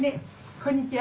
こんにちは！